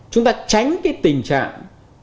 chúng ta tránh cái tình trạng